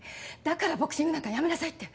だからボクシング部なんかやめなさいって。